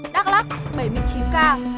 đắk lắc bảy mươi chín ca